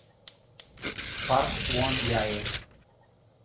Park Won-jae